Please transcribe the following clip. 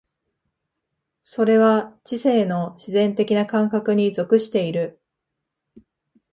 それは知性の自然的な感覚に属している。